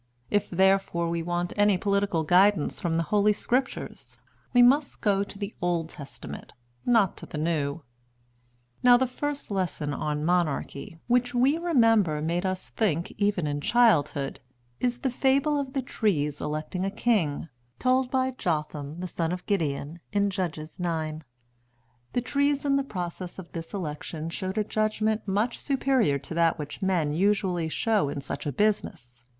If therefore we want any political guidance from the Holy Scriptures, we must go to the Old Testament, not to the New. Now the first lesson on Monarchy, which we remember made us think even in childhood, is the fable of the trees electing a king, told by Jotham, the son of Gideon, in Judges ix. The trees in the process of this election showed a judgment much superior to that which men usually show in such a business.